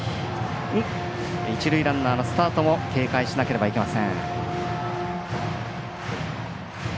一塁ランナーのスタートも警戒しなければいけません。